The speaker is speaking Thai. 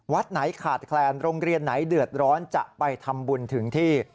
วัดไหนขาดแคลนโรงเรียนไหนเดือดร้อนจะไปทำบุญถึงที่